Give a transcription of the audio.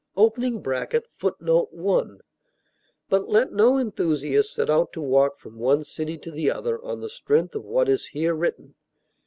[Footnote 1: But let no enthusiast set out to walk from one city to the other on the strength of what is here written.